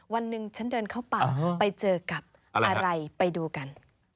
วันหนึ่งฉันเดินเข้าป่าไปเจอกับอะไรไปดูกัน